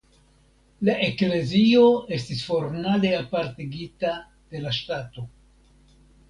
La eklezio estis formale apartigita de la ŝtato.